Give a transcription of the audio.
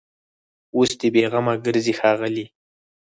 اوس دي بېغمه ګرځي ښاغلي